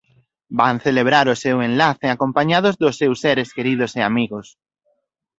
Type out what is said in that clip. Van celebrar o seu enlace acompañados dos seus seres queridos e amigos.